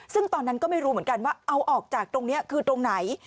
ซึ่งตอนนั้นก็ไม่รู้เหมือนกันว่าเอาออกจากตรงนี้คือตรงไหน